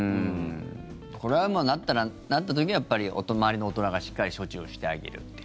これはなったらなった時に、周りの大人がしっかり処置をしてあげるっていう。